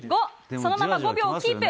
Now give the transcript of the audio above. そのまま５秒キープ。